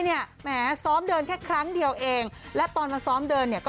ไปฟังคำตอบจากพรฟ้าคนที่สอนแอลเชลี่มากับมือค่ะ